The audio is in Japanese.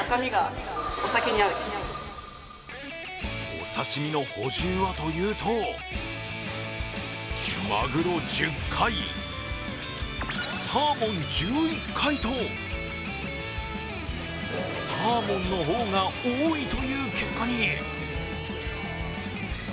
お刺身の補充はというと、マグロ１０回、サーモン１１回とサーモンの方が多いという結果に。